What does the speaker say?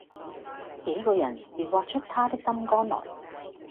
幾個人便挖出他的心肝來，